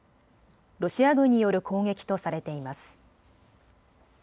ロシア軍による攻撃とされています。